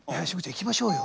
行きましょうよ。